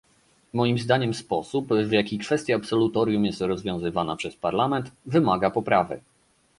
Moim zdaniem sposób, w jaki kwestia absolutorium jest rozwiązywana przez Parlament, wymaga poprawy